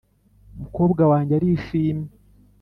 "umukobwa wanjye arishimye,